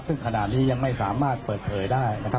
ซึ่งขณะนี้ยังไม่สามารถเปิดเผยได้นะครับ